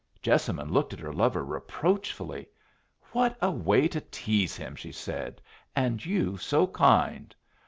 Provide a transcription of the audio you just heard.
Jessamine looked at her lover reproachfully. "What a way to tease him!" she said. "And you so kind.